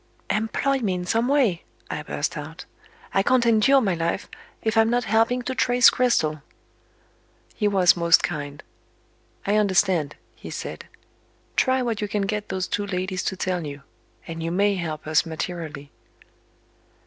"Employ me in some way!" I burst out. "I can't endure my life, if I'm not helping to trace Cristel." He was most kind. "I understand," he said. "Try what you can get those two ladies to tell you and you may help us materially."